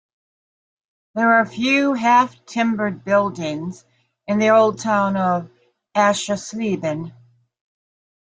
There are few half-timbered buildings in the old town of Aschersleben.